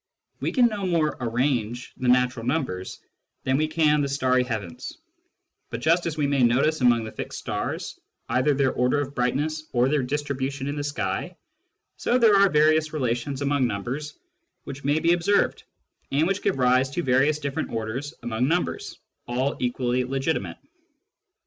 We can no more " arrange " the natural numbers than we can the starry heavens ; but just as we may notice among the fixed stars either their order of brightness or their distribution in the sky, so there are various relations among numbers which may be observed, and which give rise to various different orders among numbers, all equally legitimate.